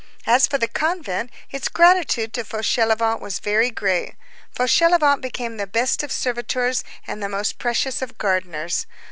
As for the convent, its gratitude to Fauchelevent was very great. Fauchelevent became the best of servitors and the most precious of gardeners.